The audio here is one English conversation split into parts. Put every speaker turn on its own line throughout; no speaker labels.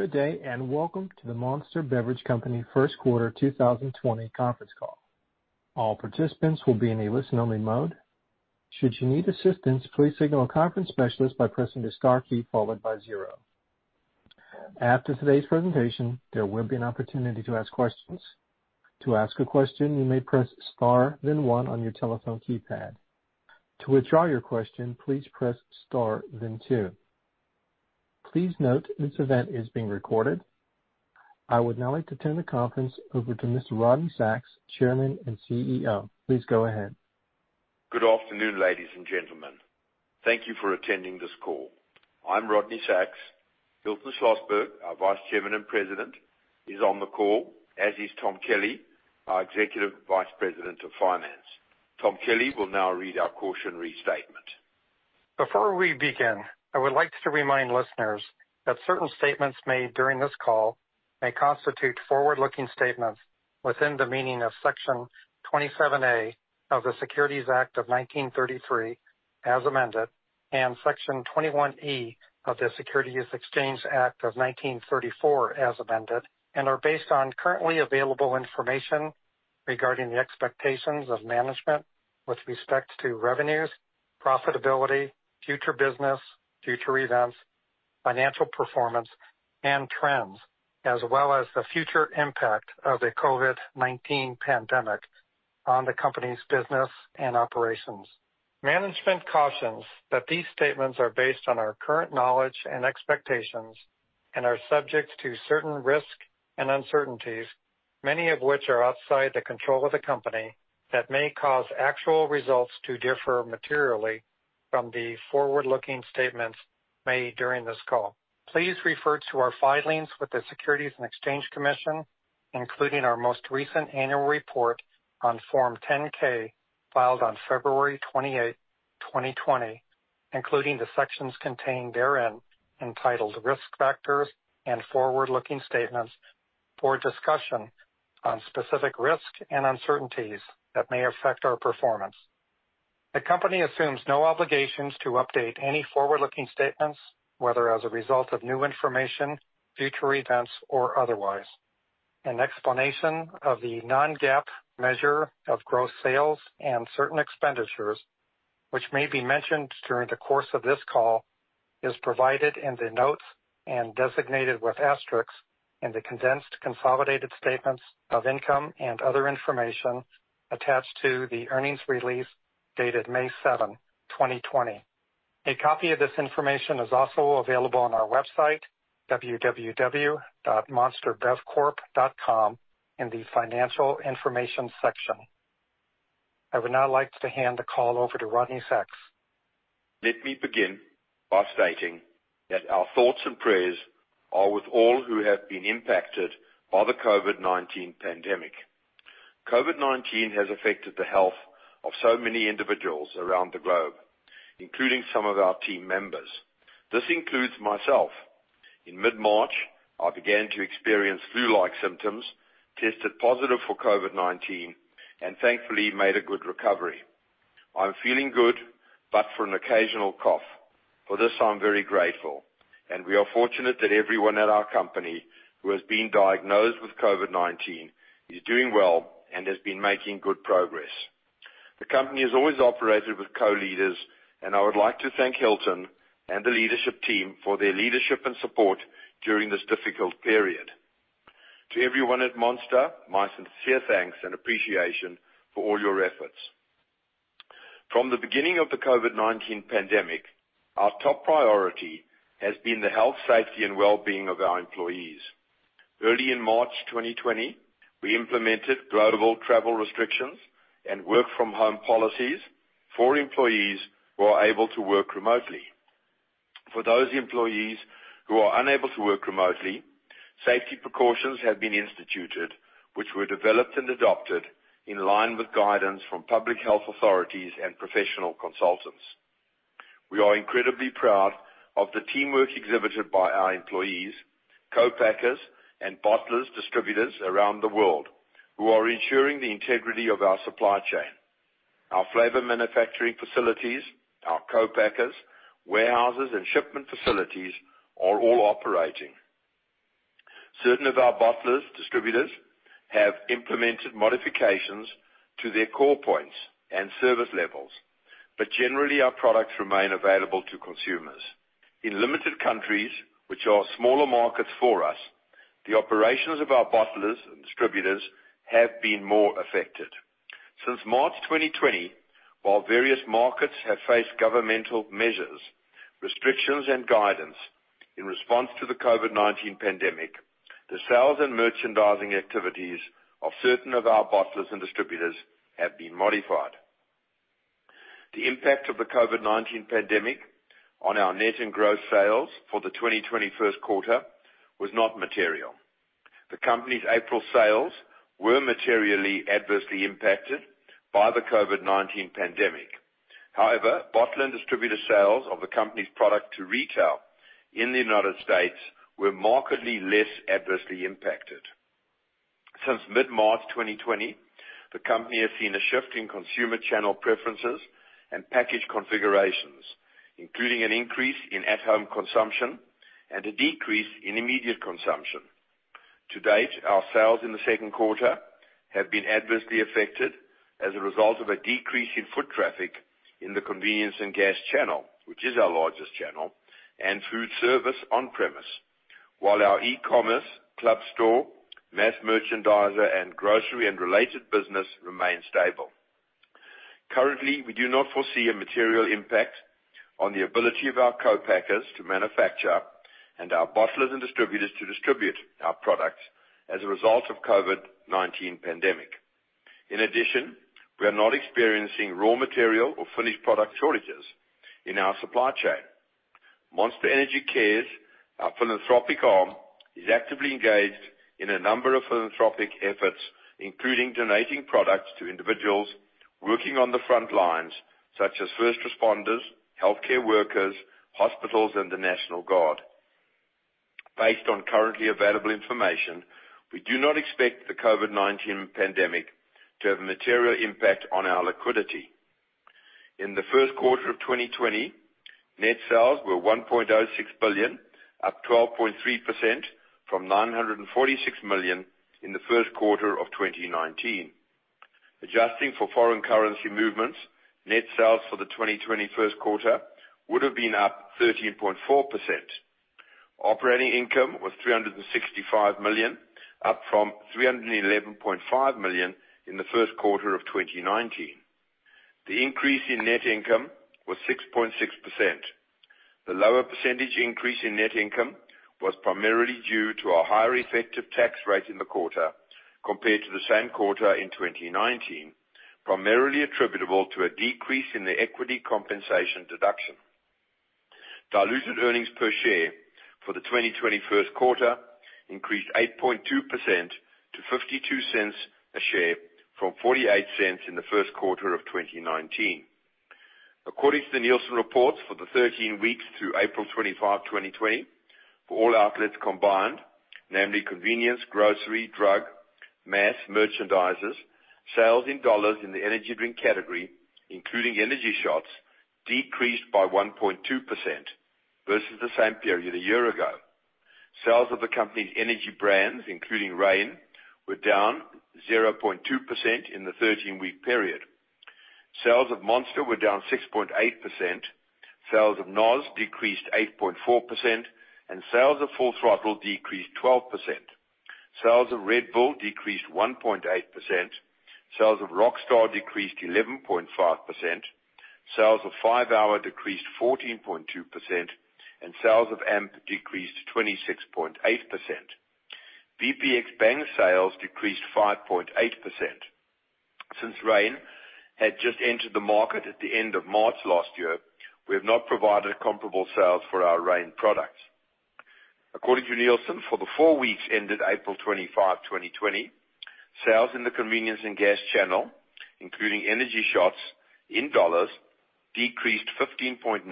Good day, and welcome to the Monster Beverage Company first quarter 2020 conference call. All participants will be in a listen-only mode. Should you need assistance, please signal a conference specialist by pressing the star key followed by zero. After today's presentation, there will be an opportunity to ask questions. To ask a question, you may press star then one on your telephone keypad. To withdraw your question, please press star then two. Please note this event is being recorded. I would now like to turn the conference over to Mr. Rodney Sacks, Chairman and CEO. Please go ahead.
Good afternoon, ladies and gentlemen. Thank you for attending this call. I'm Rodney Sacks. Hilton Schlosberg, our Vice Chairman and President, is on the call, as is Tom Kelly, our Executive Vice President of Finance. Tom Kelly will now read our cautionary statement.
Before we begin, I would like to remind listeners that certain statements made during this call may constitute forward-looking statements within the meaning of Section 27A of the Securities Act of 1933, as amended, and Section 21E of the Securities Exchange Act of 1934, as amended, and are based on currently available information regarding the expectations of management with respect to revenues, profitability, future business, future events, financial performance, and trends, as well as the future impact of the COVID-19 pandemic on the company's business and operations. Management cautions that these statements are based on our current knowledge and expectations and are subject to certain risks and uncertainties, many of which are outside the control of the company, that may cause actual results to differ materially from the forward-looking statements made during this call. Please refer to our filings with the Securities and Exchange Commission, including our most recent annual report on Form 10-K filed on February 28, 2020, including the sections contained therein entitled Risk Factors & Forward-Looking Statements for a discussion on specific risks and uncertainties that may affect our performance. The company assumes no obligations to update any forward-looking statements, whether as a result of new information, future events, or otherwise. An explanation of the non-GAAP measure of gross sales and certain expenditures, which may be mentioned during the course of this call, is provided in the notes and designated with asterisks in the condensed consolidated statements of income and other information attached to the earnings release dated May 7, 2020. A copy of this information is also available on our website, www.monsterbevcorp.com, in the Financial Information section. I would now like to hand the call over to Rodney Sacks.
Let me begin by stating that our thoughts and prayers are with all who have been impacted by the COVID-19 pandemic. COVID-19 has affected the health of so many individuals around the globe, including some of our team members. This includes myself. In mid-March, I began to experience flu-like symptoms, tested positive for COVID-19, and thankfully made a good recovery. I'm feeling good, but for an occasional cough. For this, I'm very grateful, and we are fortunate that everyone at our company who has been diagnosed with COVID-19 is doing well and has been making good progress. The company has always operated with co-leaders, and I would like to thank Hilton and the leadership team for their leadership and support during this difficult period. To everyone at Monster, my sincere thanks and appreciation for all your efforts. From the beginning of the COVID-19 pandemic, our top priority has been the health, safety, and well-being of our employees. Early in March 2020, we implemented global travel restrictions and work-from-home policies for employees who are able to work remotely. For those employees who are unable to work remotely, safety precautions have been instituted, which were developed and adopted in line with guidance from public health authorities and professional consultants. We are incredibly proud of the teamwork exhibited by our employees, co-packers, and bottlers, distributors around the world who are ensuring the integrity of our supply chain. Our flavor manufacturing facilities, our co-packers, warehouses, and shipment facilities are all operating. Certain of our bottlers, distributors have implemented modifications to their core points and service levels, but generally, our products remain available to consumers. In limited countries which are smaller markets for us, the operations of our bottlers and distributors have been more affected. Since March 2020, while various markets have faced governmental measures, restrictions, and guidance in response to the COVID-19 pandemic, the sales and merchandising activities of certain of our bottlers and distributors have been modified. The impact of the COVID-19 pandemic on our net and gross sales for the 2020 first quarter was not material. The company's April sales were materially adversely impacted by the COVID-19 pandemic. Bottler and distributor sales of the company's product to retail in the United States were markedly less adversely impacted. Since mid-March 2020, the company has seen a shift in consumer channel preferences and package configurations, including an increase in at-home consumption and a decrease in immediate consumption. To date, our sales in the second quarter have been adversely affected as a result of a decrease in foot traffic in the convenience and gas channel, which is our largest channel, and food service on premise. While our e-commerce club store, mass merchandiser, and grocery and related business remain stable. Currently, we do not foresee a material impact on the ability of our co-packers to manufacture and our bottlers and distributors to distribute our products as a result of COVID-19 pandemic. In addition, we are not experiencing raw material or finished product shortages in our supply chain. Monster Energy Cares, our philanthropic arm, is actively engaged in a number of philanthropic efforts, including donating products to individuals working on the front lines such as first responders, healthcare workers, hospitals, and the National Guard. Based on currently available information, we do not expect the COVID-19 pandemic to have a material impact on our liquidity. In the first quarter of 2020, net sales were $1.06 billion, up 12.3% from $946 million in the first quarter of 2019. Adjusting for foreign currency movements, net sales for the 2020 first quarter would have been up 13.4%. Operating income was $365 million, up from $311.5 million in the first quarter of 2019. The increase in net income was 6.6%. The lower percentage increase in net income was primarily due to a higher effective tax rate in the quarter compared to the same quarter in 2019, primarily attributable to a decrease in the equity compensation deduction. Diluted earnings per share for the 2020 first quarter increased 8.2% to $0.52 a share from $0.48 in the first quarter of 2019. According to the Nielsen reports, for the 13 weeks through April 25, 2020, for all outlets combined, namely convenience, grocery, drug, mass merchandisers, sales in dollars in the energy drink category, including energy shots, decreased by 1.2% versus the same period a year ago. Sales of the company's energy brands, including Reign, were down 0.2% in the 13-week period. Sales of Monster were down 6.8%, sales of NOS decreased 8.4%, and sales of Full Throttle decreased 12%. Sales of Red Bull decreased 1.8%, sales of Rockstar decreased 11.5%, sales of 5-hour Energy decreased 14.2%, and sales of AMP decreased 26.8%. VPX Bang sales decreased 5.8%. Since Reign had just entered the market at the end of March last year, we have not provided comparable sales for our Reign products. According to Nielsen, for the four weeks ended April 25, 2020, sales in the convenience and gas channel, including energy shots in dollars, decreased 15.9%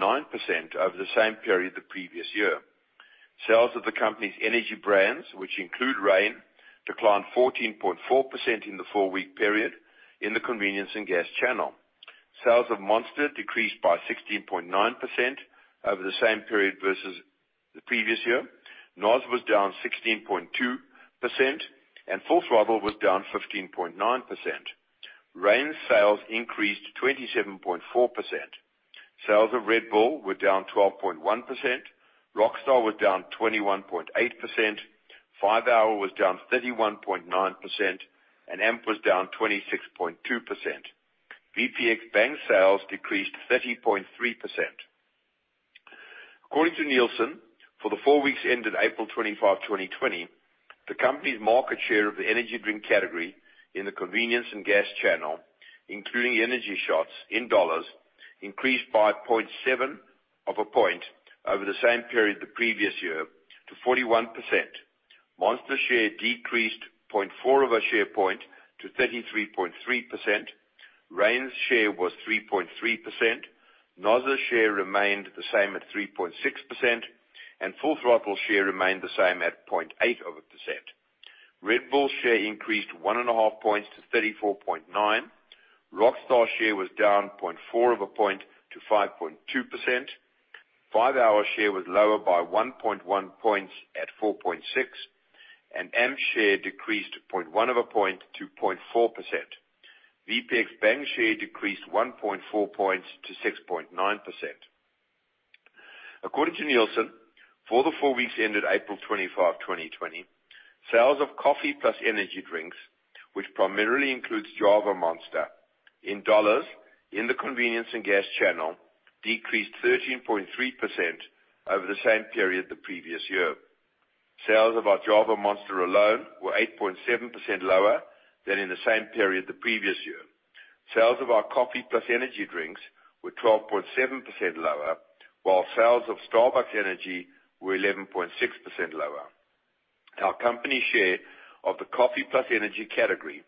over the same period the previous year. Sales of the company's energy brands, which include Reign, declined 14.4% in the four-week period in the convenience and gas channel. Sales of Monster decreased by 16.9% over the same period versus the previous year. NOS was down 16.2%, and Full Throttle was down 15.9%. Reign sales increased 27.4%. Sales of Red Bull were down 12.1%, Rockstar was down 21.8%, 5-hour Energy was down 31.9%, and AMP was down 26.2%. VPX Bang sales decreased 30.3%. According to Nielsen, for the four weeks ended April 25, 2020, the company's market share of the energy drink category in the convenience and gas channel, including energy shots in dollars, increased by 0.7 of a point over the same period the previous year to 41%. Monster share decreased 0.4 of a share point to 33.3%. Reign's share was 3.3%. NOS's share remained the same at 3.6%, and Full Throttle share remained the same at 0.8 of a percent. Red Bull share increased 1.5 points to 34.9%. Rockstar share was down 0.4 of a point to 5.2%. 5-hour Energy share was lower by 1.1 points at 4.6%, and AMP share decreased 0.1 of a point to 0.4%. VPX Bang share decreased 1.4 points to 6.9%. According to Nielsen, for the four weeks ended April 25, 2020, sales of coffee plus energy drinks, which primarily includes Java Monster, in dollars in the convenience and gas channel decreased 13.3% over the same period the previous year. Sales of our Java Monster alone were 8.7% lower than in the same period the previous year. Sales of our coffee plus energy drinks were 12.7% lower, while sales of Starbucks energy were 11.6% lower. Our company share of the coffee plus energy category,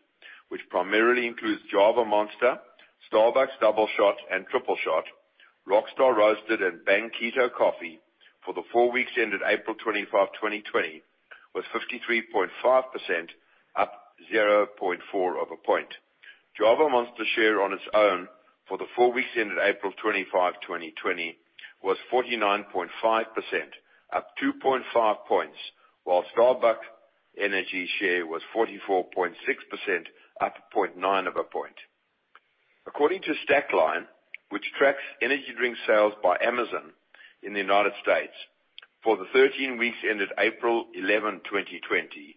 which primarily includes Java Monster, Starbucks Double Shot and Triple Shot Rockstar Roasted and Bang Keto Coffee for the four weeks ended April 25, 2020, was 53.5%, up 0.4 of a point. Java Monster share on its own for the four weeks ended April 25, 2020, was 49.5%, up 2.5 points, while Starbucks energy share was 44.6%, up 0.9 of a point. According to Stackline, which tracks energy drink sales by Amazon in the United States, for the 13 weeks ended April 11, 2020,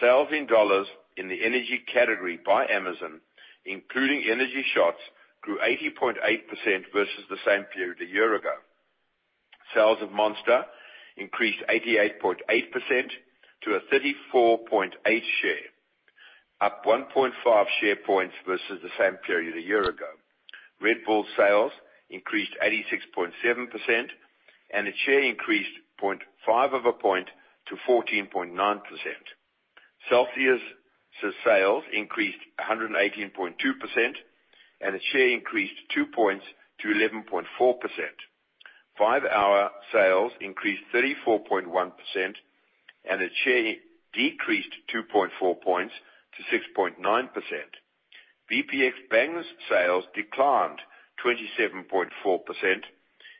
sales in dollars in the energy category by Amazon, including energy shots, grew 80.8% versus the same period a year ago. Sales of Monster increased 88.8% to a 34.8% share, up 1.5 share points versus the same period a year ago. Red Bull sales increased 86.7% and its share increased 0.5 of a point to 14.9%. CELSIUS' sales increased 118.2% and its share increased 2 points to 11.4%. 5-hour Energy sales increased 34.1% and its share decreased 2.4 points to 6.9%. VPX Bang's sales declined 27.4%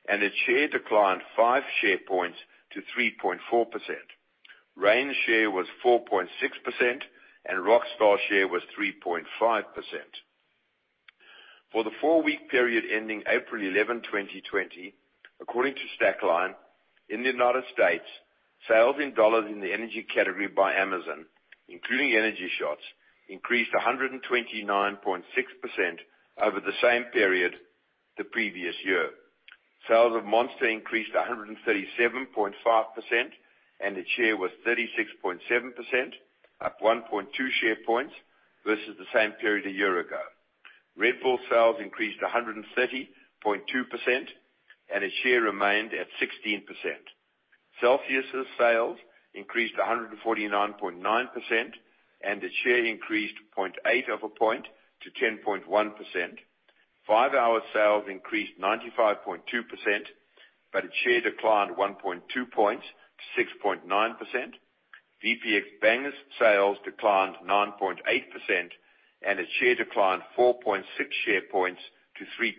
and its share declined 5 share points to 3.4%. Reign's share was 4.6% and Rockstar's share was 3.5%. For the four-week period ending April 11, 2020, according to Stackline, in the United States, sales in dollars in the energy category by Amazon, including energy shots, increased 129.6% over the same period the previous year. Sales of Monster increased 137.5% and its share was 36.7%, up 1.2 share points versus the same period a year ago. Red Bull sales increased 130.2% and its share remained at 16%. Celsius' sales increased 149.9% and its share increased 0.8 of a point to 10.1%. 5-hour Energy sales increased 95.2%, but its share declined 1.2 points to 6.9%. VPX Bang's sales declined 9.8% and its share declined 4.6 share points to 3%.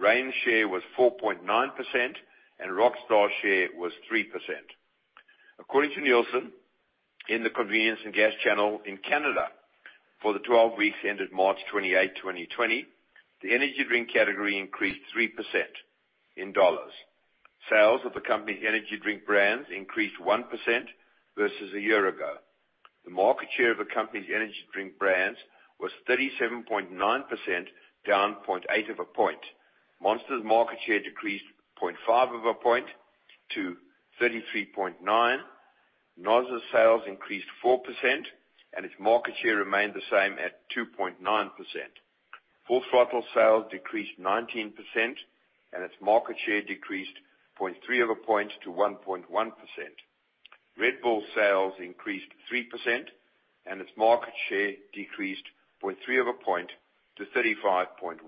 Reign's share was 4.9% and Rockstar's share was 3%. According to Nielsen, in the convenience and gas channel in Canada for the 12 weeks ended March 28, 2020, the energy drink category increased 3% in dollars. Sales of the company's energy drink brands increased 1% versus a year ago. The market share of the company's energy drink brands was 37.9%, down 0.8 of a point. Monster's market share decreased 0.5 of a point to 33.9%. NOS's sales increased 4% and its market share remained the same at 2.9%. Full Throttle sales decreased 19% and its market share decreased 0.3 of a point to 1.1%. Red Bull sales increased 3% and its market share decreased 0.3 of a point to 35.1%.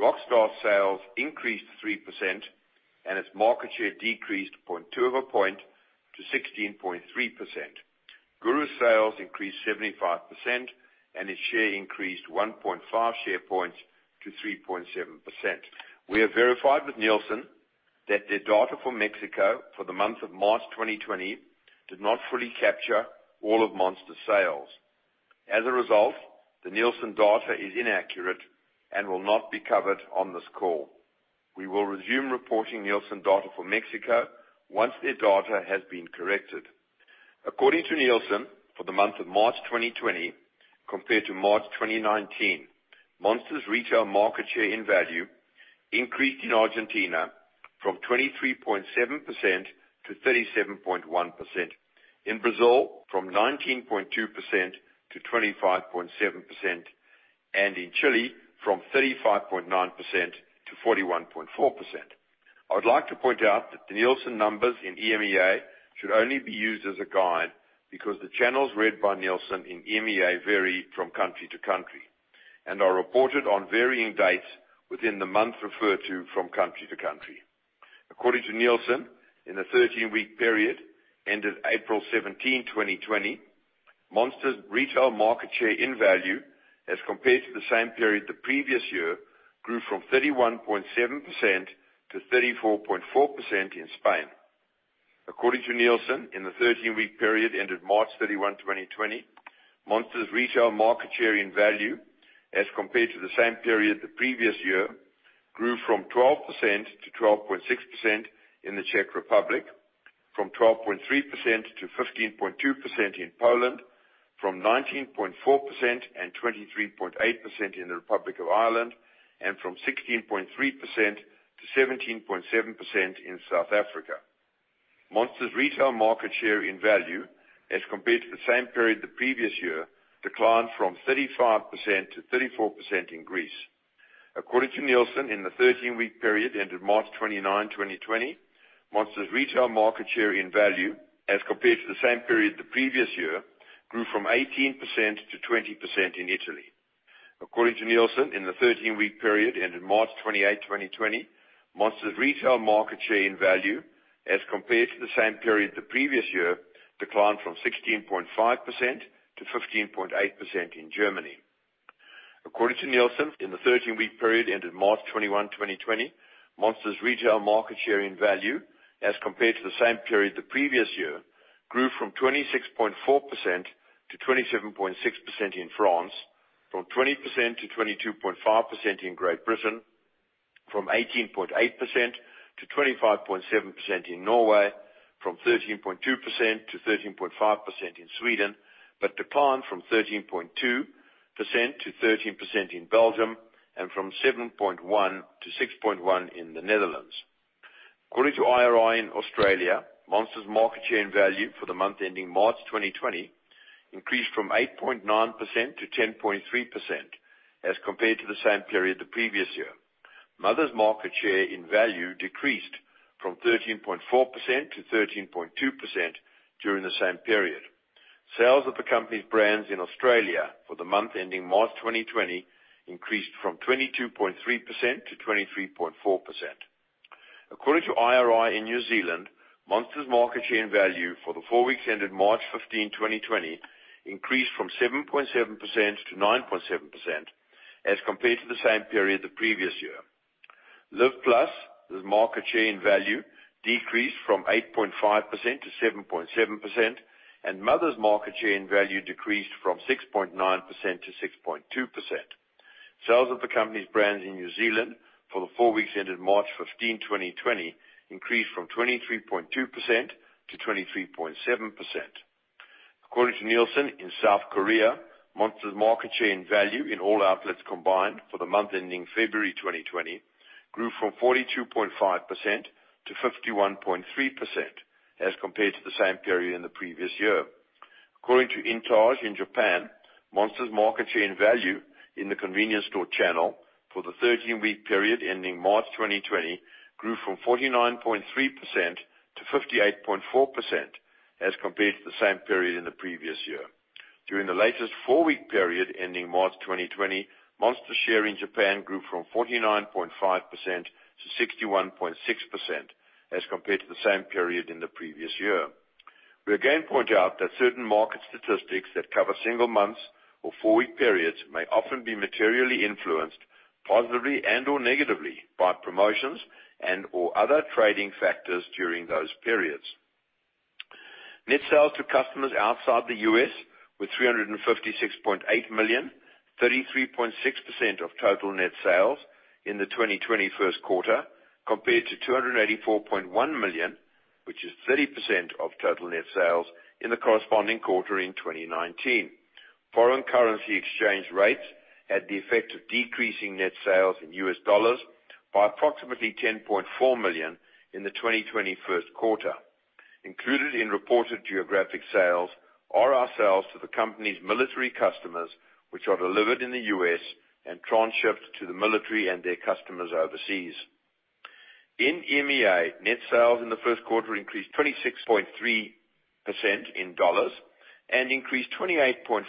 Rockstar sales increased 3% and its market share decreased 0.2 of a point to 16.3%. Guru's sales increased 75% and its share increased 1.5 share points to 3.7%. We have verified with Nielsen that their data for Mexico for the month of March 2020 did not fully capture all of Monster's sales. As a result, the Nielsen data is inaccurate and will not be covered on this call. We will resume reporting Nielsen data for Mexico once their data has been corrected. According to Nielsen, for the month of March 2020 compared to March 2019, Monster's retail market share in value increased in Argentina from 23.7% to 37.1%, in Brazil from 19.2% to 25.7%, and in Chile from 35.9% to 41.4%. I would like to point out that the Nielsen numbers in EMEA should only be used as a guide because the channels read by Nielsen in EMEA vary from country to country and are reported on varying dates within the month referred to from country to country. According to Nielsen, in the 13-week period ended April 17, 2020, Monster's retail market share in value as compared to the same period the previous year grew from 31.7% to 34.4% in Spain. According to Nielsen, in the 13-week period ended March 31, 2020, Monster's retail market share in value as compared to the same period the previous year grew from 12% to 12.6% in the Czech Republic, from 12.3% to 15.2% in Poland, from 19.4% and 23.8% in the Republic of Ireland, and from 16.3% to 17.7% in South Africa. Monster's retail market share in value as compared to the same period the previous year declined from 35% to 34% in Greece. According to Nielsen, in the 13-week period ended March 29, 2020-Monster's retail market share in value as compared to the same period the previous year grew from 18% to 20% in Italy. According to Nielsen, in the 13-week period ended March 28, 2020, Monster's retail market share in value as compared to the same period the previous year declined from 16.5% to 15.8% in Germany. According to Nielsen, in the 13-week period ended March 21, 2020, Monster's retail market share in value as compared to the same period the previous year grew from 26.4% to 27.6% in France, from 20% to 22.5% in Great Britain, from 18.8% to 25.7% in Norway, from 13.2% to 13.5% in Sweden, but declined from 13.2% to 13% in Belgium and from 7.1% to 6.1% in the Netherlands. According to IRI in Australia, Monster's market share in value for the month ending March 2020 increased from 8.9% to 10.3% as compared to the same period the previous year. Mother's market share in value decreased from 13.4% to 13.2% during the same period. Sales of the company's brands in Australia for the month ending March 2020 increased from 22.3% to 23.4%. According to IRI in New Zealand, Monster's market share in value for the four weeks ended March 15, 2020, increased from 7.7% to 9.7% as compared to the same period the previous year. Live+ market share in value decreased from 8.5% to 7.7%, and Mother's market share in value decreased from 6.9% to 6.2%. Sales of the company's brands in New Zealand for the four weeks ended March 15, 2020, increased from 23.2% to 23.7%. According to Nielsen in South Korea, Monster's market share in value in all outlets combined for the month ending February 2020 grew from 42.5% to 51.3% as compared to the same period in the previous year. According to INTAGE in Japan, Monster's market share in value in the convenience store channel for the 13-week period ending March 2020 grew from 49.3% to 58.4% as compared to the same period in the previous year. During the latest four-week period ending March 2020, Monster's share in Japan grew from 49.5% to 61.6% as compared to the same period in the previous year. We again point out that certain market statistics that cover single months or four-week periods may often be materially influenced positively and/or negatively by promotions and/or other trading factors during those periods. Net sales to customers outside the U.S. were $356.8 million, 33.6% of total net sales in the 2020 first quarter, compared to $284.1 million, which is 30% of total net sales in the corresponding quarter in 2019. Foreign currency exchange rates had the effect of decreasing net sales in U.S. dollars by approximately $10.4 million in the 2020 first quarter. Included in reported geographic sales are our sales to the company's military customers, which are delivered in the U.S. and transshipped to the military and their customers overseas. In EMEA, net sales in the first quarter increased 26.3% in dollars and increased 28.5%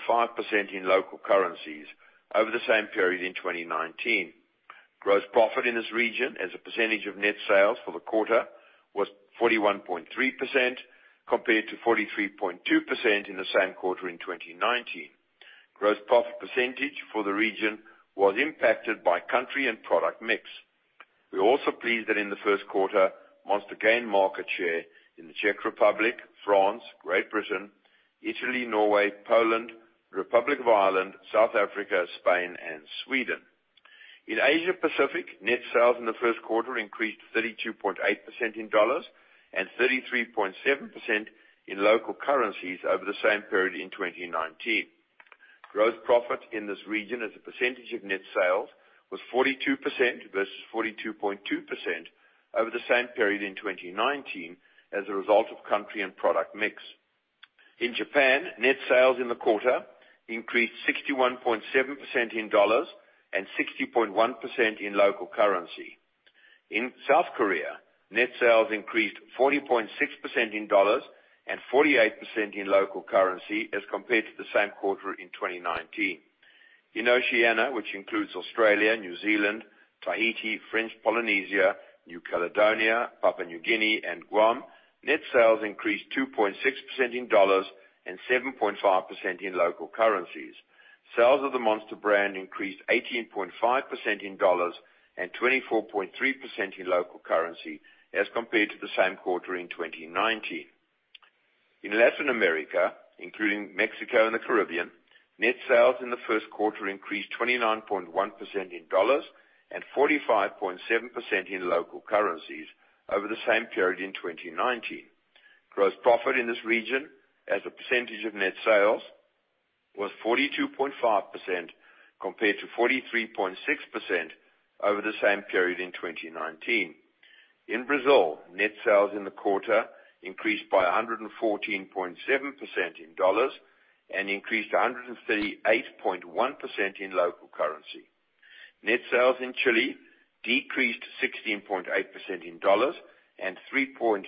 in local currencies over the same period in 2019. Gross profit in this region as a percentage of net sales for the quarter was 41.3% compared to 43.2% in the same quarter in 2019. Gross profit percentage for the region was impacted by country and product mix. We are also pleased that in the first quarter, Monster gained market share in the Czech Republic, France, Great Britain, Italy, Norway, Poland, Republic of Ireland, South Africa, Spain and Sweden. In Asia Pacific, net sales in the first quarter increased 32.8% in dollars and 33.7% in local currencies over the same period in 2019. Gross profit in this region as a percentage of net sales was 42% versus 42.2% over the same period in 2019 as a result of country and product mix. In Japan, net sales in the quarter increased 61.7% in dollars and 60.1% in local currency. In South Korea, net sales increased 40.6% in dollars and 48% in local currency as compared to the same quarter in 2019. In Oceania, which includes Australia, New Zealand, Tahiti, French Polynesia, New Caledonia, Papua New Guinea, and Guam, net sales increased 2.6% in dollars and 7.5% in local currencies. Sales of the Monster brand increased 18.5% in dollars and 24.3% in local currency as compared to the same quarter in 2019. In Latin America, including Mexico and the Caribbean, net sales in the first quarter increased 29.1% in dollars and 45.7% in local currencies over the same period in 2019. Gross profit in this region as a percentage of net sales was 42.5% compared to 43.6% over the same period in 2019. In Brazil, net sales in the quarter increased by 114.7% in dollars and increased 138.1% in local currency. Net sales in Chile decreased 16.8% in dollars and 3.2%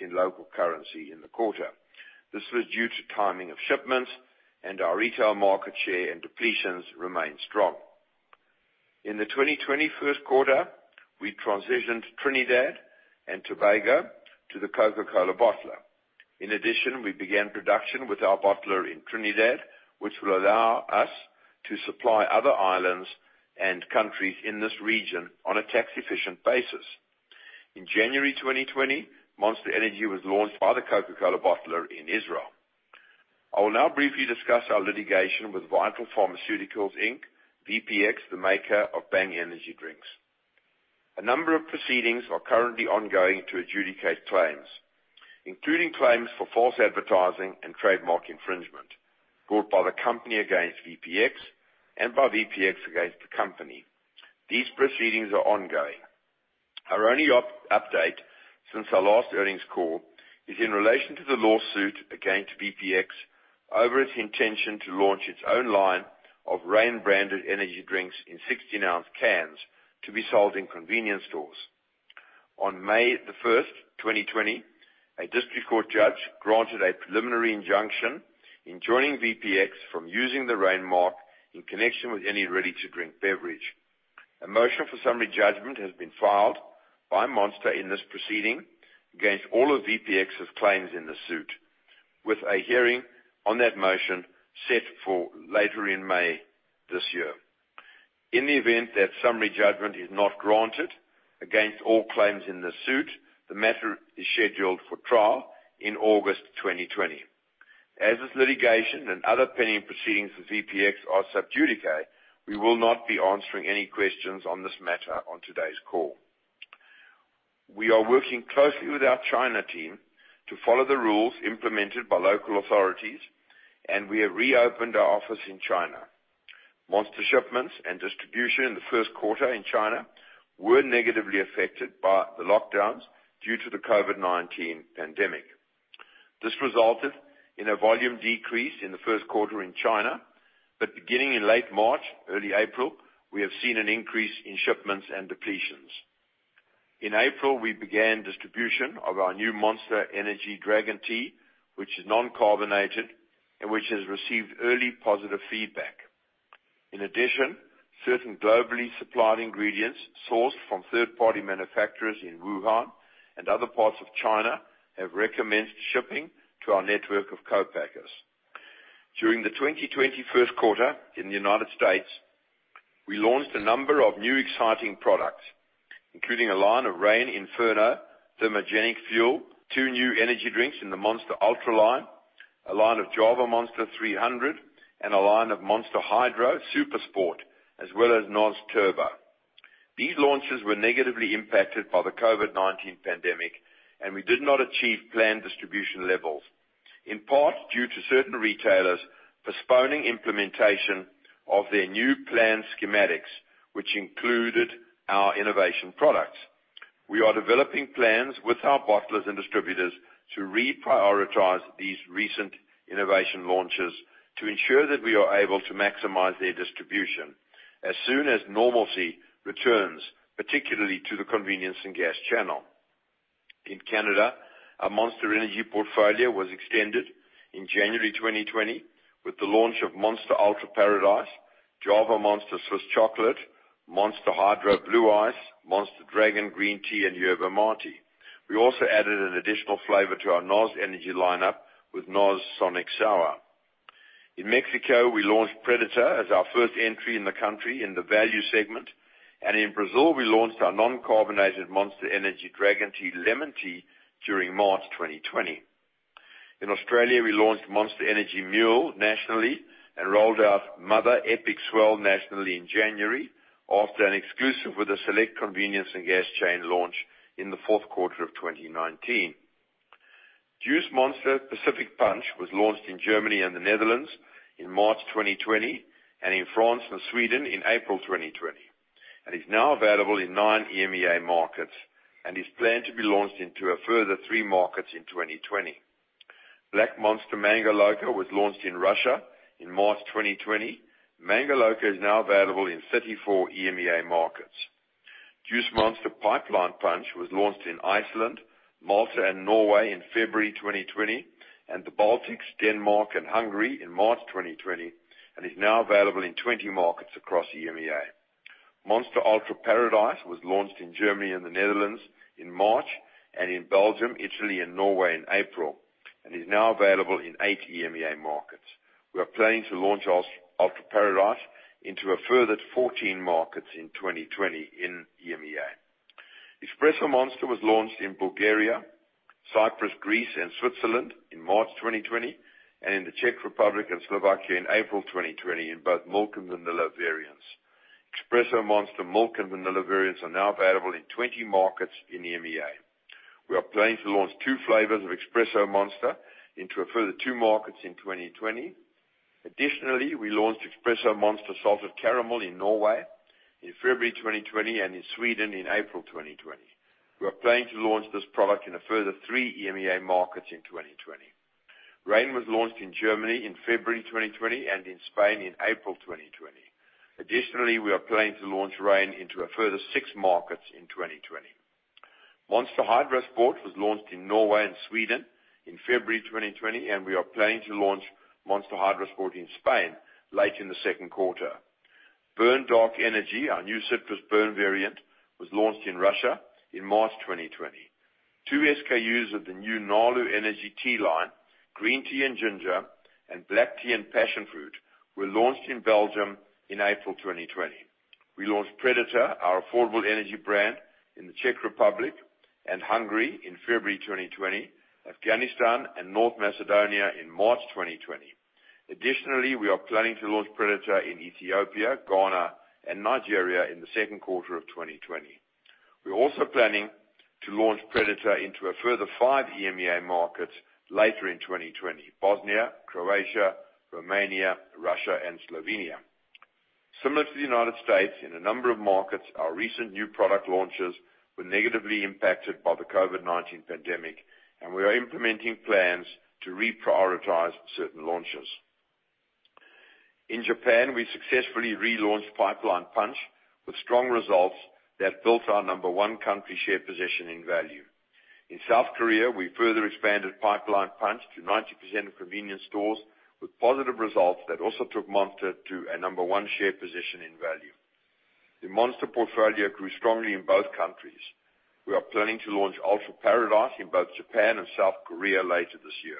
in local currency in the quarter. This was due to timing of shipments, and our retail market share and depletions remain strong. In the 2020 first quarter, we transitioned Trinidad and Tobago to the Coca-Cola bottler. We began production with our bottler in Trinidad, which will allow us to supply other islands and countries in this region on a tax-efficient basis. In January 2020, Monster Energy was launched by the Coca-Cola bottler in Israel. I will now briefly discuss our litigation with Vital Pharmaceuticals, Inc., VPX, the maker of Bang Energy drinks. A number of proceedings are currently ongoing to adjudicate claims, including claims for false advertising and trademark infringement brought by the company against VPX and by VPX against the company. These proceedings are ongoing. Our only update since our last earnings call is in relation to the lawsuit against VPX over its intention to launch its own line of Reign-branded energy drinks in 16-oz cans to be sold in convenience stores. On May 1st, 2020, a district court judge granted a preliminary injunction enjoining VPX from using the Reign mark in connection with any ready-to-drink beverage. A motion for summary judgment has been filed by Monster in this proceeding against all of VPX's claims in the suit, with a hearing on that motion set for later in May this year. In the event that summary judgment is not granted against all claims in this suit, the matter is scheduled for trial in August 2020. As this litigation and other pending proceedings with VPX are sub judice, we will not be answering any questions on this matter on today's call. We are working closely with our China team to follow the rules implemented by local authorities, and we have reopened our office in China. Monster shipments and distribution in the first quarter in China were negatively affected by the lockdowns due to the COVID-19 pandemic. This resulted in a volume decrease in the first quarter in China, but beginning in late March, early April, we have seen an increase in shipments and depletions. In April, we began distribution of our new Monster Energy Dragon Tea, which is non-carbonated and which has received early positive feedback. In addition, certain globally supplied ingredients sourced from third-party manufacturers in Wuhan and other parts of China have recommenced shipping to our network of co-packers. During the 2020 first quarter in the United States, we launched a number of new exciting products, including a line of Reign Inferno Thermogenic Fuel, two new energy drinks in the Monster Ultra line, a line of Java Monster 300, and a line of Monster Hydro Super Sport, as well as NOS Turbo. These launches were negatively impacted by the COVID-19 pandemic. We did not achieve planned distribution levels, in part due to certain retailers postponing implementation of their new plan schematics, which included our innovation products. We are developing plans with our bottlers and distributors to reprioritize these recent innovation launches to ensure that we are able to maximize their distribution as soon as normalcy returns, particularly to the convenience and gas channel. In Canada, our Monster Energy portfolio was extended in January 2020 with the launch of Monster Ultra Paradise, Java Monster Swiss Chocolate, Monster Hydro Blue Ice, Monster Dragon Green Tea, and Yerba Mate. We also added an additional flavor to our NOS energy lineup with NOS Sonic Sour. In Mexico, we launched Predator as our first entry in the country in the value segment, and in Brazil, we launched our non-carbonated Monster Energy Dragon Tea Lemon Tea during March 2020. In Australia, we launched Monster Energy Mule nationally and rolled out Mother Epic Swell nationally in January after an exclusive with a select convenience and gas chain launch in the fourth quarter of 2019. Juice Monster Pacific Punch was launched in Germany and the Netherlands in March 2020 and in France and Sweden in April 2020 and is now available in nine EMEA markets and is planned to be launched into a further three markets in 2020. Black Monster Mango Loco was launched in Russia in March 2020. Mango Loco is now available in 34 EMEA markets. Juice Monster Pipeline Punch was launched in Iceland, Malta, and Norway in February 2020 and the Baltics, Denmark, and Hungary in March 2020 and is now available in 20 markets across EMEA. Monster Ultra Paradise was launched in Germany and the Netherlands in March and in Belgium, Italy, and Norway in April and is now available in eight EMEA markets. We are planning to launch Ultra Paradise into a further 14 markets in 2020 in EMEA. Espresso Monster was launched in Bulgaria, Cyprus, Greece, and Switzerland in March 2020 and in the Czech Republic and Slovakia in April 2020 in both milk and vanilla variants. Espresso Monster milk and vanilla variants are now available in 20 markets in EMEA. We are planning to launch two flavors of Espresso Monster into a further two markets in 2020. Additionally, we launched Espresso Monster Salted Caramel in Norway in February 2020 and in Sweden in April 2020. We are planning to launch this product in a further three EMEA markets in 2020. Reign was launched in Germany in February 2020 and in Spain in April 2020. Additionally, we are planning to launch Reign into a further six markets in 2020. Monster HydroSport was launched in Norway and Sweden in February 2020, and we are planning to launch Monster HydroSport in Spain late in the second quarter. Burn Dark Energy, our new citrus burn variant, was launched in Russia in March 2020. Two SKUs of the new Nalu Energy tea line, green tea and ginger, and black tea and passion fruit, were launched in Belgium in April 2020. We launched Predator, our affordable energy brand, in the Czech Republic and Hungary in February 2020, Afghanistan and North Macedonia in March 2020. Additionally, we are planning to launch Predator in Ethiopia, Ghana, and Nigeria in the second quarter of 2020. We're also planning to launch Predator into a further five EMEA markets later in 2020: Bosnia, Croatia, Romania, Russia, and Slovenia. Similar to the United States, in a number of markets, our recent new product launches were negatively impacted by the COVID-19 pandemic, and we are implementing plans to reprioritize certain launches. In Japan, we successfully relaunched Pipeline Punch. With strong results that built our number one country share position in value. In South Korea, we further expanded Pipeline Punch to 90% of convenience stores with positive results that also took Monster to a number one share position in value. The Monster portfolio grew strongly in both countries. We are planning to launch Ultra Paradise in both Japan and South Korea later this year.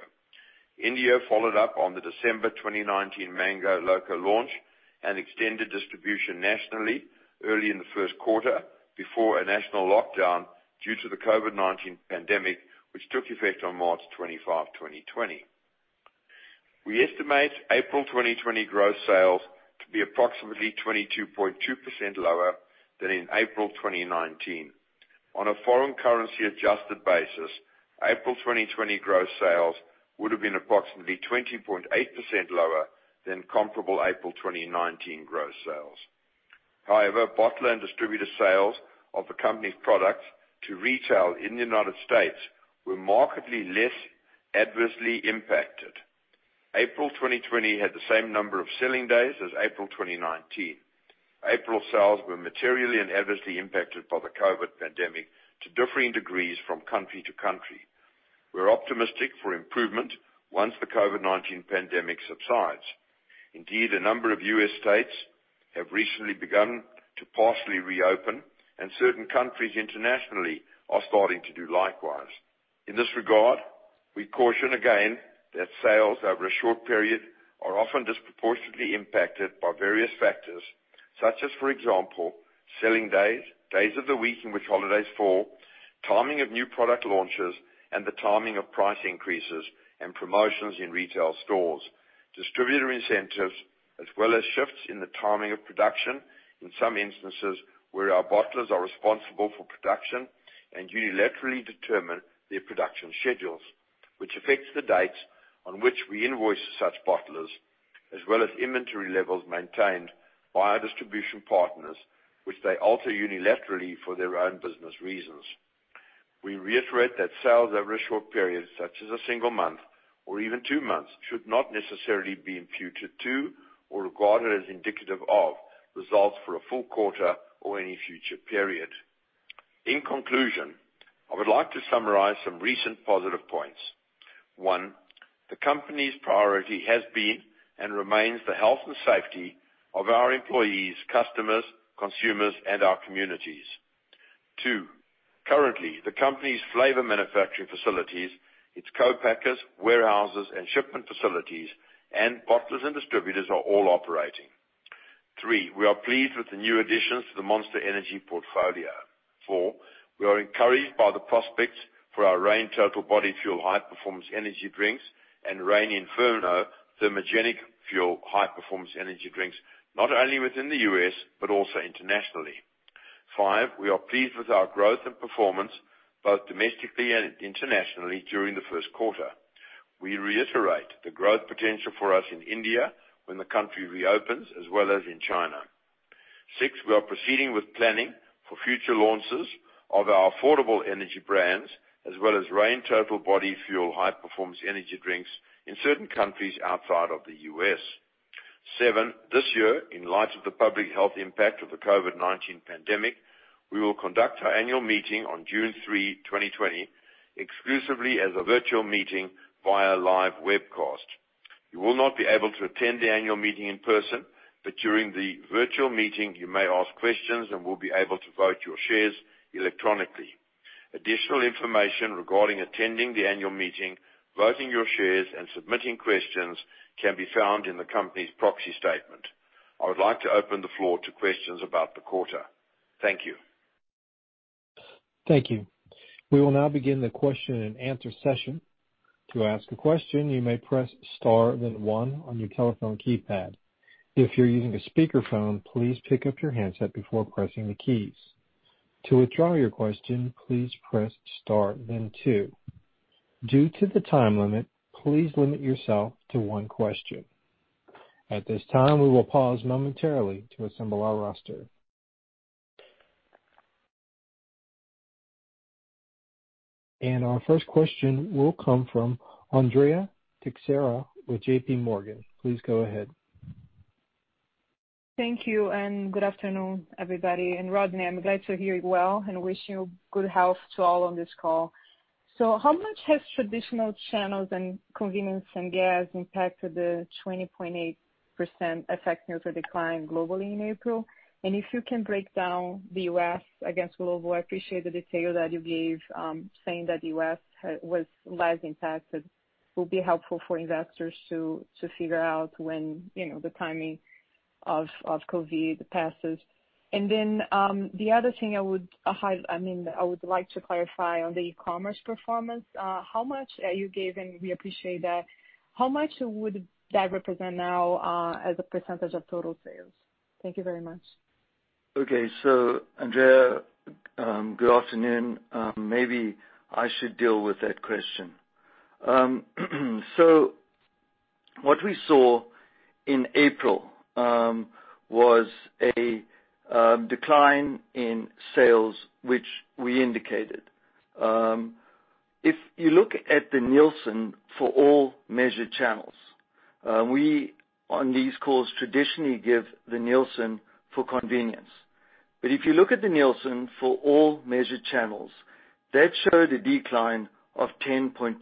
India followed up on the December 2019 Mango Loco launch and extended distribution nationally early in the first quarter before a national lockdown due to the COVID-19 pandemic, which took effect on March 25, 2020. We estimate April 2020 gross sales to be approximately 22.2% lower than in April 2019. On a foreign currency adjusted basis, April 2020 gross sales would have been approximately 20.8% lower than comparable April 2019 gross sales. Bottler and distributor sales of the company's products to retail in the United States were markedly less adversely impacted. April 2020 had the same number of selling days as April 2019. April sales were materially and adversely impacted by the COVID pandemic to differing degrees from country to country. We're optimistic for improvement once the COVID-19 pandemic subsides. Indeed, a number of U.S. states have recently begun to partially reopen, and certain countries internationally are starting to do likewise. In this regard, we caution again that sales over a short period are often disproportionately impacted by various factors such as, for example, selling days, days of the week in which holidays fall, timing of new product launches, and the timing of price increases and promotions in retail stores, distributor incentives, as well as shifts in the timing of production, in some instances where our bottlers are responsible for production and unilaterally determine their production schedules, which affects the dates on which we invoice such bottlers, as well as inventory levels maintained by our distribution partners, which they alter unilaterally for their own business reasons. We reiterate that sales over a short period, such as a single month or even two months, should not necessarily be imputed to or regarded as indicative of results for a full quarter or any future period. In conclusion, I would like to summarize some recent positive points. One, the company's priority has been and remains the health and safety of our employees, customers, consumers, and our communities. Two, currently, the company's flavor manufacturing facilities, its co-packers, warehouses, and shipment facilities, and bottlers and distributors are all operating. Three, we are pleased with the new additions to the Monster Energy portfolio. Four, we are encouraged by the prospects for our Reign Total Body Fuel high-performance energy drinks and Reign Inferno Thermogenic Fuel high-performance energy drinks, not only within the U.S. but also internationally. Five, we are pleased with our growth and performance, both domestically and internationally, during the first quarter. We reiterate the growth potential for us in India when the country reopens, as well as in China. Six, we are proceeding with planning for future launches of our affordable energy brands, as well as Reign Total Body Fuel high-performance energy drinks in certain countries outside of the U.S. Seven, this year, in light of the public health impact of the COVID-19 pandemic, we will conduct our annual meeting on June 3, 2020, exclusively as a virtual meeting via live webcast. You will not be able to attend the annual meeting in person, but during the virtual meeting you may ask questions and will be able to vote your shares electronically. Additional information regarding attending the annual meeting, voting your shares, and submitting questions can be found in the company's proxy statement. I would like to open the floor to questions about the quarter. Thank you.
Thank you. We will now begin the question and answer session. To ask a question, you may press star then one on your telephone keypad. If you're using a speakerphone, please pick up your handset before pressing the keys. To withdraw your question, please press star then two. Due to the time limit, please limit yourself to one question. At this time, we will pause momentarily to assemble our roster. Our first question will come from Andrea Teixeira with JPMorgan. Please go ahead.
Thank you, good afternoon, everybody. Rodney, I'm glad to hear you're well, and wish you good health to all on this call. How much has traditional channels and convenience and gas impacted the 20.8% effect due to decline globally in April? If you can break down the U.S. against global, I appreciate the detail that you gave, saying that the U.S. was less impacted, will be helpful for investors to figure out when the timing of COVID passes. The other thing I would like to clarify on the e-commerce performance. You gave and we appreciate that. How much would that represent now, as a % of total sales? Thank you very much.
Okay, Andrea, good afternoon. Maybe I should deal with that question. What we saw in April, was a decline in sales, which we indicated. If you look at the Nielsen for all measured channels, we, on these calls, traditionally give the Nielsen for convenience. If you look at the Nielsen for all measured channels, that showed a decline of 10.2%.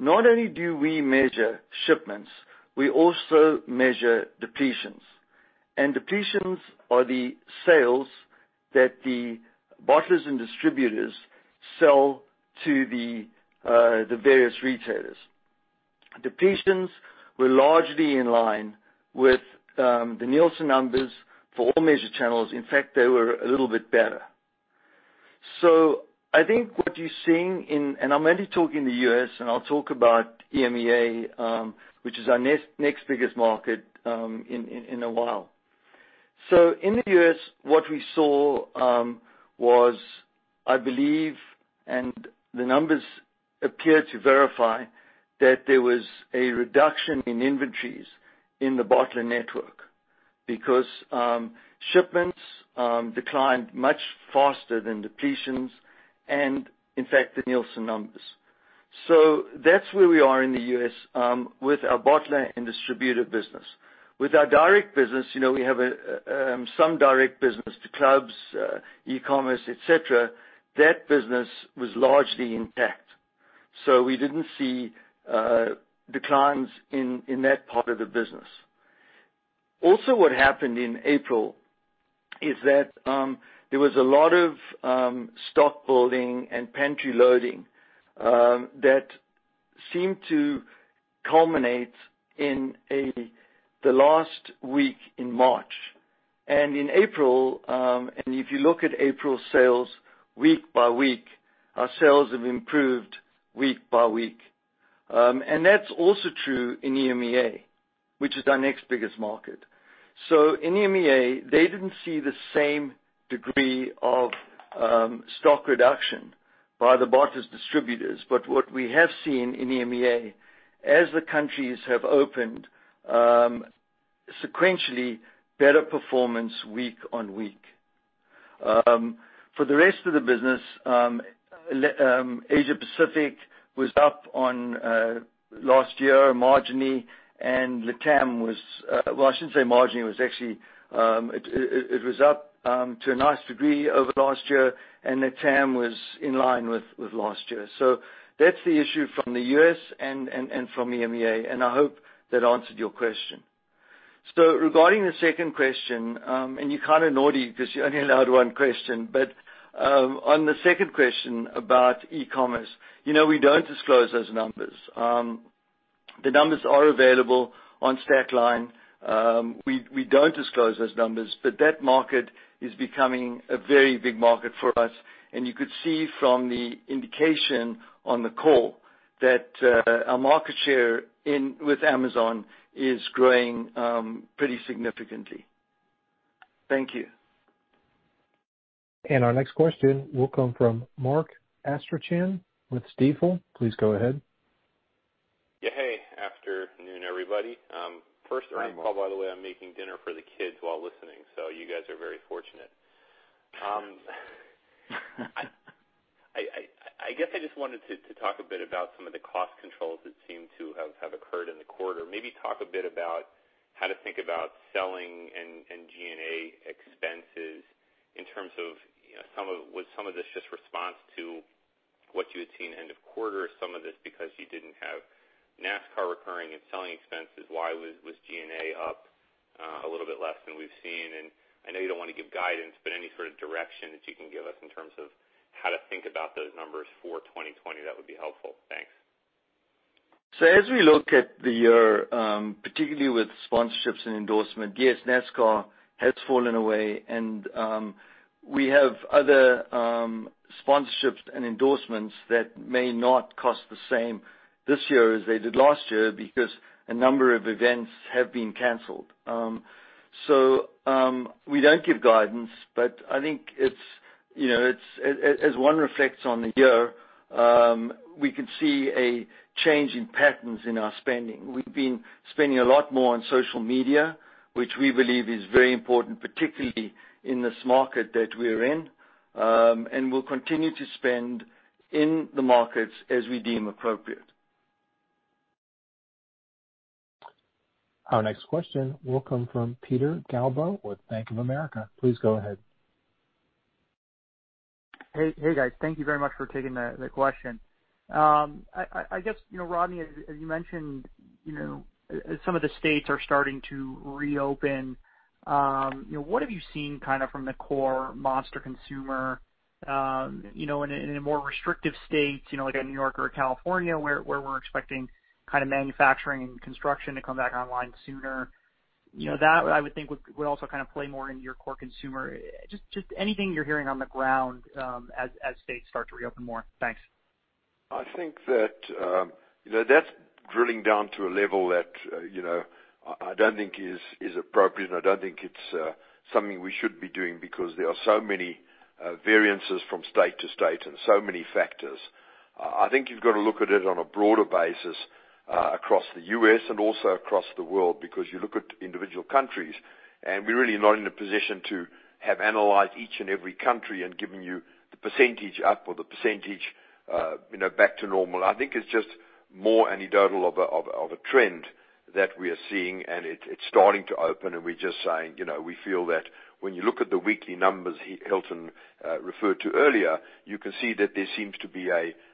Not only do we measure shipments, we also measure depletions. Depletions are the sales that the bottlers and distributors sell to the various retailers. Depletions were largely in line with the Nielsen numbers for all measured channels. In fact, they were a little bit better. I think what you're seeing in and I'm only talking the U.S., and I'll talk about EMEA, which is our next biggest market, in a while. In the U.S., what we saw was, I believe, and the numbers appear to verify, that there was a reduction in inventories in the bottler network because shipments declined much faster than depletions and in fact, the Nielsen numbers. That's where we are in the U.S., with our bottler and distributor business. With our direct business, we have some direct business to clubs, e-commerce, et cetera. That business was largely intact. We didn't see declines in that part of the business. Also, what happened in April is that there was a lot of stock building and pantry loading that seemed to culminate in the last week in March. In April, and if you look at April sales week by week, our sales have improved week by week. That's also true in EMEA, which is our next biggest market. In EMEA, they didn't see the same degree of stock reduction by the bottlers' distributors. What we have seen in EMEA, as the countries have opened, sequentially better performance week on week. For the rest of the business, Asia Pacific was up on last year marginally, and LATAM was well, I shouldn't say marginally. It was up to a nice degree over last year, and LATAM was in line with last year. That's the issue from the U.S. and from EMEA, and I hope that answered your question. Regarding the second question, and you're kind of naughty because you're only allowed one question, on the second question about e-commerce, we don't disclose those numbers. The numbers are available on Stackline. We don't disclose those numbers, but that market is becoming a very big market for us, and you could see from the indication on the call that our market share with Amazon is growing pretty significantly. Thank you.
Our next question will come from Mark Astrachan with Stifel. Please go ahead.
Yeah. Hey, afternoon, everybody.
Hi, Mark.
First on the call, by the way, I'm making dinner for the kids while listening, you guys are very fortunate. I guess I just wanted to talk a bit about some of the cost controls that seem to have occurred in the quarter. Maybe talk a bit about how to think about selling and G&A expenses in terms of, was some of this just response to what you had seen end of quarter? Some of this because you didn't have NASCAR recurring and selling expenses? Why was G&A up a little bit less than we've seen? I know you don't want to give guidance, but any sort of direction that you can give us in terms of how to think about those numbers for 2020, that would be helpful. Thanks.
As we look at the year, particularly with sponsorships and endorsement, yes, NASCAR has fallen away and we have other sponsorships and endorsements that may not cost the same this year as they did last year because a number of events have been canceled. We don't give guidance, but I think as one reflects on the year, we can see a change in patterns in our spending. We've been spending a lot more on social media, which we believe is very important, particularly in this market that we're in. We'll continue to spend in the markets as we deem appropriate.
Our next question will come from Peter Galbo with Bank of America. Please go ahead.
Hey, guys. Thank you very much for taking the question. I guess, Rodney, as you mentioned, as some of the states are starting to reopen, what have you seen from the core Monster consumer in a more restrictive state like in New York or California, where we're expecting manufacturing and construction to come back online sooner? That, I would think, would also play more into your core consumer. Just anything you're hearing on the ground as states start to reopen more. Thanks.
I think that is drilling down to a level that I don't think is appropriate, and I don't think it's something we should be doing because there are so many variances from state to state and so many factors. I think you've got to look at it on a broader basis across the U.S. and also across the world because you look at individual countries, and we're really not in a position to have analyzed each and every country and given you the percentage up or the percentage back to normal. I think it's just more anecdotal of a trend that we are seeing, and it's starting to open, and we're just saying, we feel that when you look at the weekly numbers Hilton referred to earlier, you can see that there seems to be a trend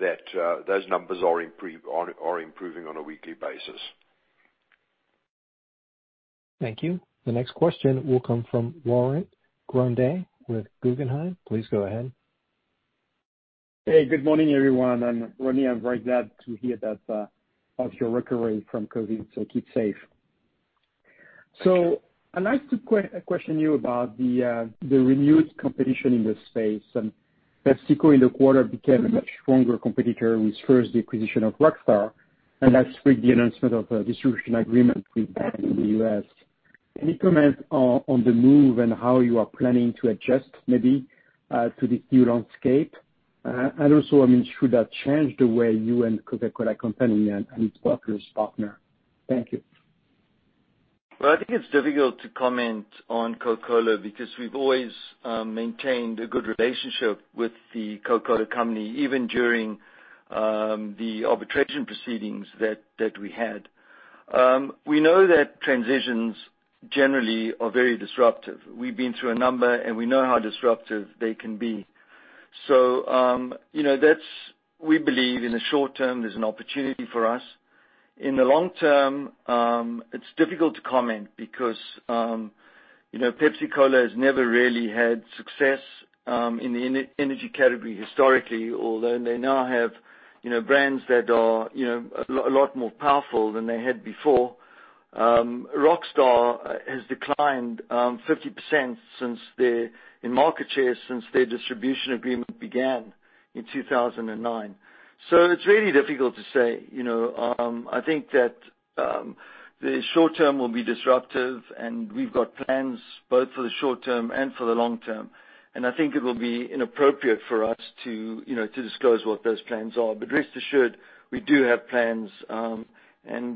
that those numbers are improving on a weekly basis.
Thank you. The next question will come from Laurent Grandet with Guggenheim. Please go ahead.
Hey, good morning, everyone. Rodney, I'm very glad to hear of your recovery from COVID, keep safe. I'd like to question you about the renewed competition in this space. PepsiCo in the quarter became a much stronger competitor with first the acquisition of Rockstar, last week the announcement of a distribution agreement with Bang in the U.S. Any comments on the move and how you are planning to adjust maybe to this new landscape? Also should that change the way you and The Coca-Cola Company and its partners partner? Thank you.
I think it's difficult to comment on Coca-Cola because we've always maintained a good relationship with The Coca-Cola Company, even during the arbitration proceedings that we had. We know that transitions generally are very disruptive. We've been through a number, and we know how disruptive they can be. We believe in the short term, there's an opportunity for us. In the long term, it's difficult to comment because Pepsi Cola has never really had success in the energy category historically, although they now have brands that are a lot more powerful than they had before. Rockstar has declined 50% in market share since their distribution agreement began in 2009. It's really difficult to say. I think that the short term will be disruptive, and we've got plans both for the short term and for the long term. I think it will be inappropriate for us to disclose what those plans are. Rest assured, we do have plans, and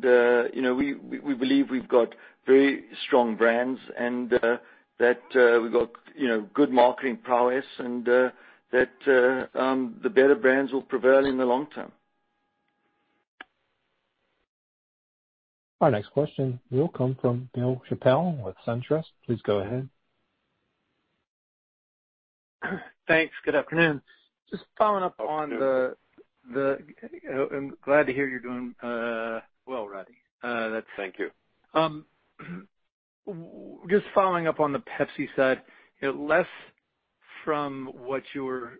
we believe we've got very strong brands and that we've got good marketing prowess and that the better brands will prevail in the long term.
Our next question will come from Bill Chappell with SunTrust. Please go ahead.
Thanks. Good afternoon. I'm glad to hear you're doing well, Rodney.
Thank you.
Following up on the Pepsi side, less from what you're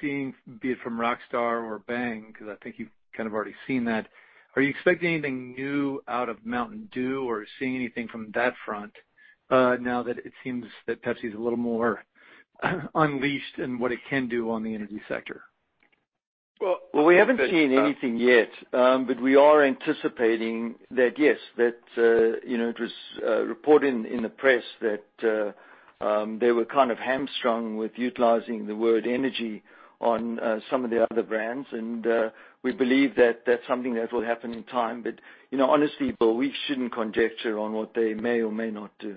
seeing, be it from Rockstar or Bang, because I think you've kind of already seen that. Are you expecting anything new out of Mountain Dew or seeing anything from that front now that it seems that Pepsi is a little more unleashed in what it can do on the energy sector?
We haven't seen anything yet, we are anticipating that, yes. It was reported in the press that they were kind of hamstrung with utilizing the word energy on some of their other brands. We believe that that's something that will happen in time. Honestly, Bill, we shouldn't conjecture on what they may or may not do.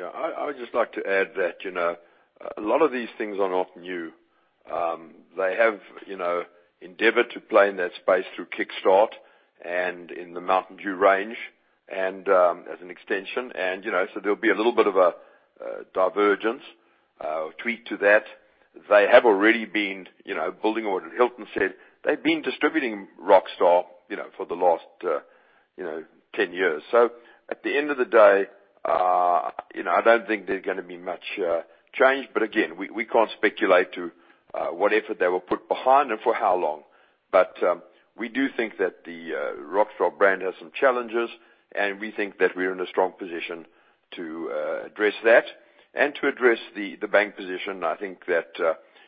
Yeah, I would just like to add that a lot of these things are not new. They have endeavored to play in that space through Kickstart and in the Mountain Dew range as an extension. There'll be a little bit of a divergence or tweak to that. They have already been building what Hilton said. They've been distributing Rockstar for the last 10 years. At the end of the day, I don't think there's going to be much change. Again, we can't speculate to what effort they will put behind and for how long. We do think that the Rockstar brand has some challenges, and we think that we're in a strong position to address that and to address the Bang position. I think that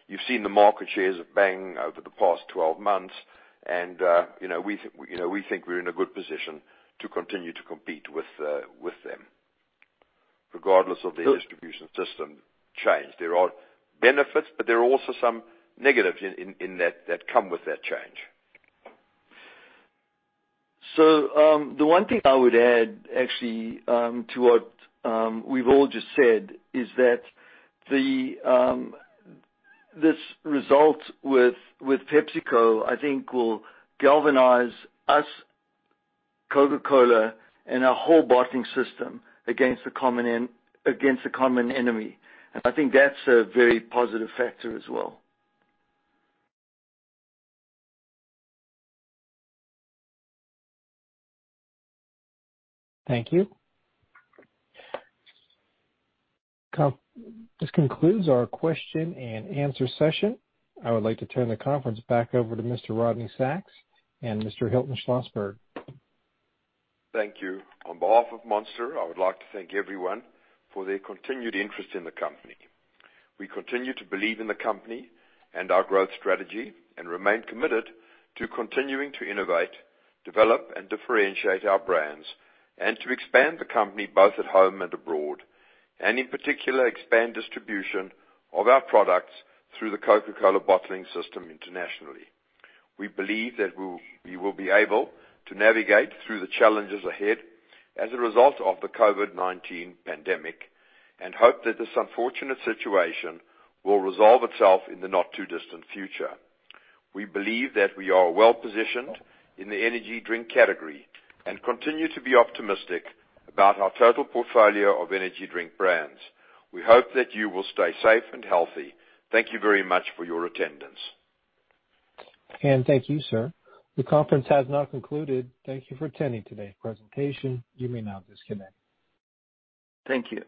you've seen the market shares of Bang over the past 12 months, and we think we're in a good position to continue to compete with them regardless of their distribution system change. There are benefits, but there are also some negatives that come with that change.
The one thing I would add, actually, to what we've all just said is that this result with PepsiCo, I think will galvanize us, Coca-Cola, and our whole bottling system against a common enemy. I think that's a very positive factor as well.
Thank you. This concludes our question and answer session. I would like to turn the conference back over to Mr. Rodney Sacks and Mr. Hilton Schlosberg.
Thank you. On behalf of Monster, I would like to thank everyone for their continued interest in the company. We continue to believe in the company and our growth strategy and remain committed to continuing to innovate, develop, and differentiate our brands and to expand the company both at home and abroad, and in particular, expand distribution of our products through the Coca-Cola bottling system internationally. We believe that we will be able to navigate through the challenges ahead as a result of the COVID-19 pandemic and hope that this unfortunate situation will resolve itself in the not too distant future. We believe that we are well-positioned in the energy drink category and continue to be optimistic about our total portfolio of energy drink brands. We hope that you will stay safe and healthy. Thank you very much for your attendance.
Thank you, sir. The conference has now concluded. Thank you for attending today's presentation. You may now disconnect.
Thank you.